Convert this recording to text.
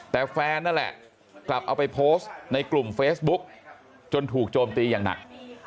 แต่แฟนนั่นแหละกลับเอาไปโพสต์ในกลุ่มเฟซบุ๊กจนถูกโจมตีอย่างหนัก